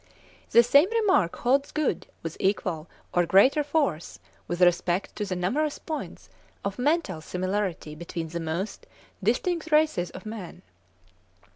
The same remark holds good with equal or greater force with respect to the numerous points of mental similarity between the most distinct races of man.